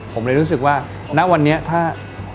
ผมเลยรู้สึกว่าณวันนี้ถ้า